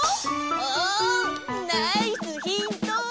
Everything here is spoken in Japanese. ポンナイスヒント！